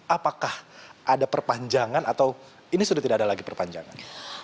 apakah ada perpanjangan atau ini sudah tidak ada lagi perpanjangan